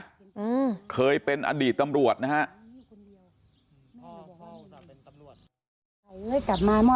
พ่อพ่อพ่อจะเป็นตำรวจใช่ไหม